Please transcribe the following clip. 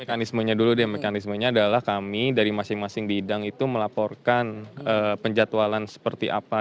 mekanismenya dulu deh mekanismenya adalah kami dari masing masing bidang itu melaporkan penjatualan seperti apa